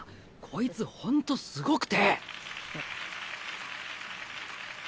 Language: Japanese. こいつほんとすごくて。